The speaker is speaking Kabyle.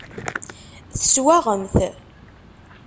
Teswaɣem-t.